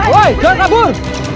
woy jangan kabur